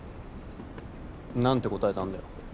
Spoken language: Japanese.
なんて答えたんだよ。